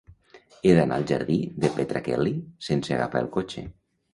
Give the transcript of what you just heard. He d'anar al jardí de Petra Kelly sense agafar el cotxe.